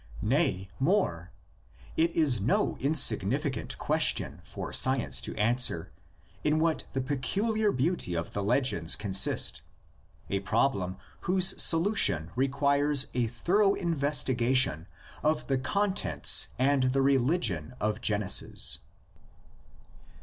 Nay, more: it is no insignificant question for science to answer, in what the peculiar beauty of the legends consists, — a prob lem whose solution requires a thorough investiga tion of the contents and the religion of Genesis.